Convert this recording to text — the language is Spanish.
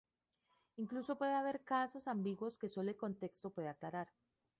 Incluso puede haber casos ambiguos que solo el contexto puede aclarar.